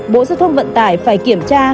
bộ xã thông vận tải phải kiểm tra